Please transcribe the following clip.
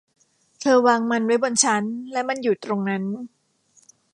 เธอวางมันไว้บนชั้นและมันอยู่ตรงนั้น